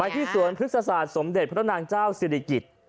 ไปที่สวนพฤษศาสตร์สมเด็จพระนางเจ้าสิริกิต